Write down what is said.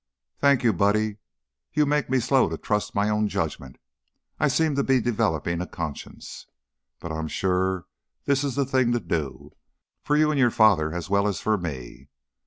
"Thank you, Buddy! You make me slow to trust my own judgment. I I seem to be developing a conscience. But I'm sure this is the thing to do, for you and your father as well as for me.